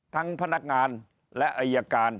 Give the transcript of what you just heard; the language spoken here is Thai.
พนักงานและอายการ